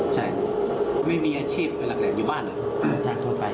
ใช่ไม่มีอาชีพไปหลังแหละอยู่บ้านอ่ะอ่าจ้างทั่วไปอ่ะ